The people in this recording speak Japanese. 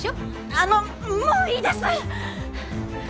あのもういいです！